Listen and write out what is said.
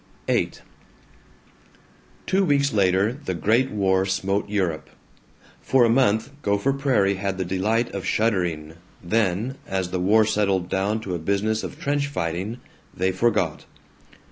VIII Two weeks later the Great War smote Europe. For a month Gopher Prairie had the delight of shuddering, then, as the war settled down to a business of trench fighting, they forgot.